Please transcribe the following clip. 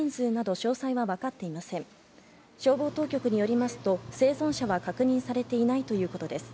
消防当局よりますと、生存者は確認されていないということです。